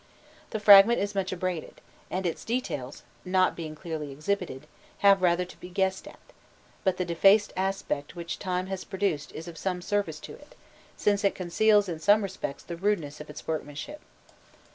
The fragment is much abraded, and its details, not being clearly exhibited, have rather to be guessed at; but the defaced aspect which time has produced is of some service to it, since it conceals in some respect the rudeness of its workmanship.